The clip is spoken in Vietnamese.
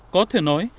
có thể nói